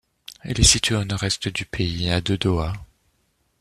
Elle est située au nord-est du pays, à de Doha.